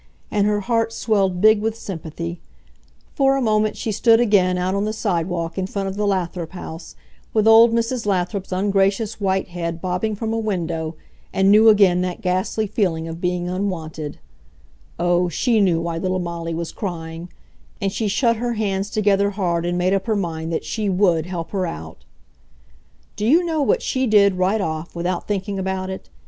and her heart swelled big with sympathy. For a moment she stood again out on the sidewalk in front of the Lathrop house with old Mrs. Lathrop's ungracious white head bobbing from a window, and knew again that ghastly feeling of being unwanted. Oh, she knew why little Molly was crying! And she shut her hands together hard and made up her mind that she WOULD help her out! [Illustration: "What's the matter, Molly? What's the matter?"] Do you know what she did, right off, without thinking about it?